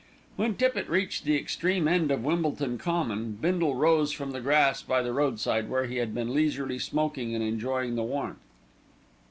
When Tippitt reached the extreme end of Wimbledon Common, Bindle rose from the grass by the roadside, where he had been leisurely smoking and enjoying the warmth.